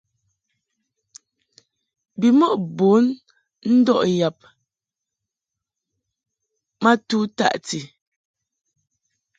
Bimɔʼ bun ndɔʼ yab ma tu taʼti.